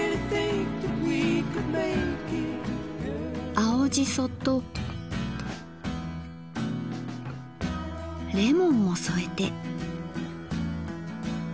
青じそとレモンも添えて。